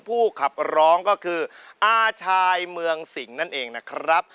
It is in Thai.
ผู้ขับร้องก็คืออาชายเมืองสิงห์นั่นเองนะครับ